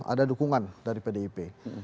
ada dukungan dari pdip